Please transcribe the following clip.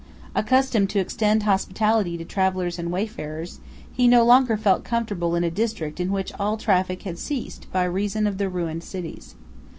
Accustomed to extend hospitality to travellers and wayfarers, he no longer felt comfortable in a district in which all traffic had ceased by reason of the ruined cities.